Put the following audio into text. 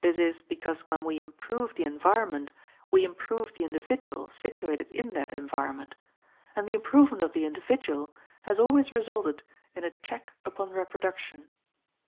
This is because when we improve the environment we improve the individual situated in that environment; and the improvement of the individual has always resulted in a check upon reproduction.